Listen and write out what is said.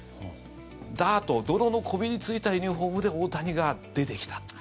ｄｉｒｔ泥のこびりついたユニホームで大谷が出てきたと。